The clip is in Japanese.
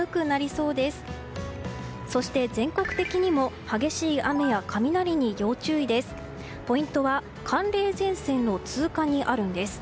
そして全国的にも激しい雨や雷に要注意です。